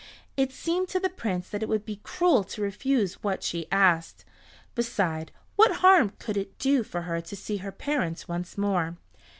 It seemed to the Prince that it would be cruel to refuse what she asked. Beside, what harm could it do for her to see her parents once more?